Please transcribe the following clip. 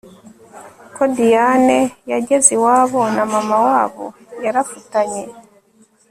ko Diane yageze iwabo na Mama wabo……yarafutanye